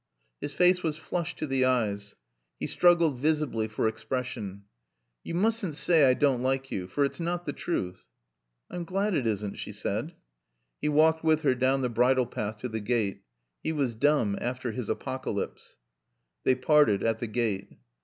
His face was flushed to the eyes. He struggled visibly for expression. "Yo' moosn' saay I doan' like yo'. Fer it's nat the truth." "I'm glad it isn't," she said. He walked with her down the bridle path to the gate. He was dumb after his apocalypse. They parted at the gate.